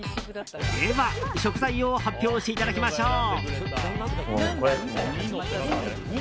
では、食材を発表していただきましょう。